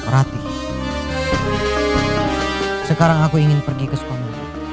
raden sekarang aku ingin pergi ke sekolahmu